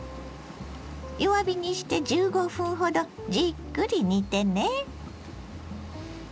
弱火にして１５分ほどじっくり煮てね。